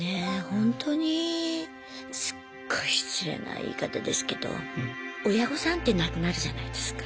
ほんとにすっごい失礼な言い方ですけど親御さんって亡くなるじゃないですか。